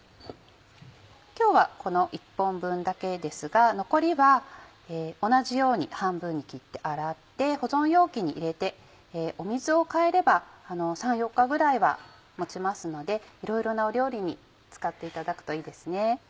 今日はこの１本分だけですが残りは同じように半分に切って洗って保存容器に入れて水を替えれば３４日ぐらいは持ちますのでいろいろな料理に使っていただくといいですね。